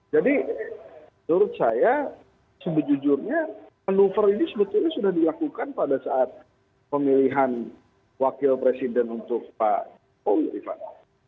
jadi menurut saya sejujurnya manuver ini sebetulnya sudah dilakukan pada saat pemilihan wakil presiden untuk pak jokowi rifat